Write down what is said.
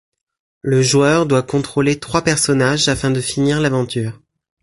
Le joueur doit contrôler trois personnages afin de finir l'aventure.